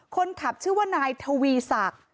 คนขับชื่อว่านายทวีศักดิ์